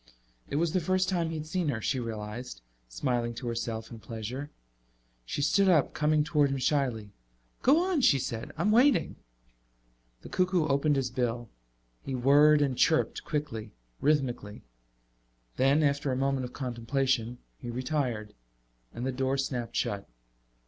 It was the first time he had seen her, she realized, smiling to herself in pleasure. She stood up, coming toward him shyly. "Go on," she said. "I'm waiting." The cuckoo opened his bill. He whirred and chirped, quickly, rhythmically. Then, after a moment of contemplation, he retired. And the door snapped shut.